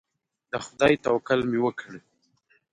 د خدای توکل مې وکړ.